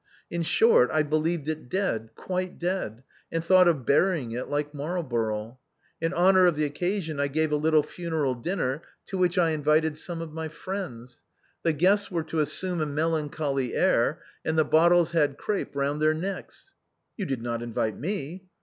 In short I believed it dead, quite dead, and thought of burying it like Marlborough. In honor of the occasion I gave a little funeral dinner, to which I in vited some of my friends. The guests were to assume a melancholy air, and the bottles had crape round their necks." " You did not invite me."